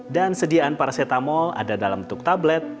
dan sediaan paracetamol ada dalam bentuk tablet